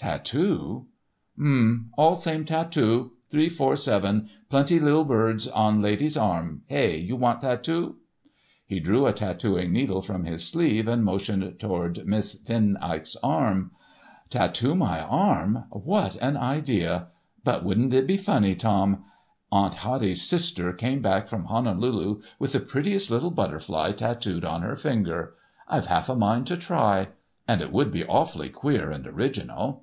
"Tattoo?" "Um. All same tattoo—three, four, seven, plenty lil birds on lady's arm. Hey? You want tattoo?" He drew a tattooing needle from his sleeve and motioned towards Miss Ten Eyck's arm. "Tattoo my arm? What an idea! But wouldn't it be funny, Tom? Aunt Hattie's sister came back from Honolulu with the prettiest little butterfly tattooed on her finger. I've half a mind to try. And it would be so awfully queer and original."